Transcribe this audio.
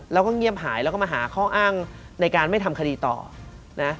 แล้วก็เงียบหายแล้วก็มาหาข้ออ้างในการไม่ทำคดีต่อนะ